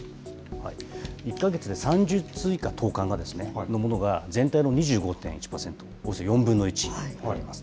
１か月で３０通以下、投かんがですね、全体の２５．１％、およそ４分の１になります。